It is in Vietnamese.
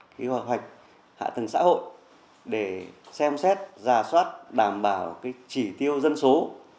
quy hoạch hạ tầng xã hội để xem xét giả soát đảm bảo chỉ tiêu dân số